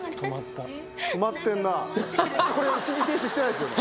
止まったこれ一時停止してないですよね